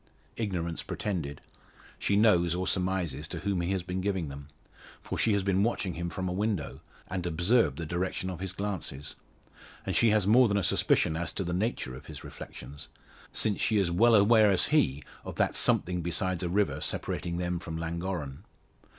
Ignorance pretended. She knows, or surmises, to whom he has been giving them. For she has been watching him from a window, and observed the direction of his glances. And she has more than a suspicion as to the nature of his reflections; since she is well aware as he of that something besides a river separating them from Llangorren.